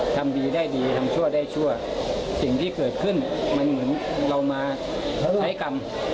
ทำดีได้ดีทำชั่วได้ชั่วสิ่งที่เกิดขึ้นมันเหมือนเรามาใช้กรรม